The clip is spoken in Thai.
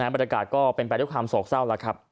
บรรยากาศก็เป็นไปด้วยความโสกเศร้า